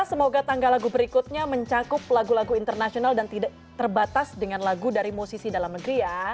semoga tanggal lagu berikutnya mencakup lagu lagu internasional dan tidak terbatas dengan lagu dari musisi dalam negeri ya